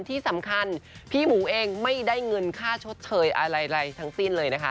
ที่สำคัญพี่หมูเองไม่ได้เงินค่าชดเชยอะไรทั้งสิ้นเลยนะคะ